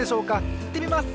いってみます！